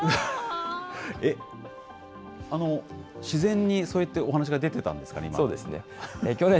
自然にそうやってお話が出てたんですかね、今。